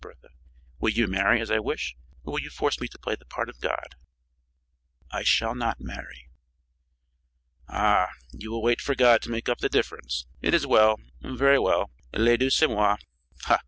Bertha, will you marry as I wish, or will you force me to play the part of God?" "I shall not marry." "Ah, you will wait for God to make up the difference. It is well very well; le Dieu c'est moi. Ha!